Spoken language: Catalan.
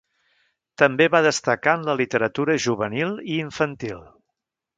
També va destacar en la literatura juvenil i infantil.